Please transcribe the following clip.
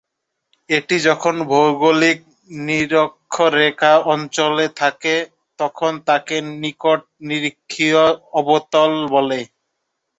এটি যখন ভৌগোলিক নিরক্ষরেখা অঞ্চলে থাকে, তখন তাকে নিকট-নিরক্ষীয় অবতল বলে।